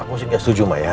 aku sih gak setuju ma ya